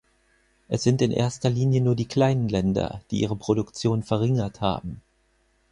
Es sind in erster Linie nur die kleinen Länder, die ihre Produktion verringert haben.